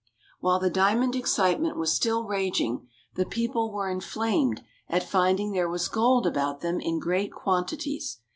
While the diamond excitement was still raging the people were inflamed at finding there was gold about them in great quantities.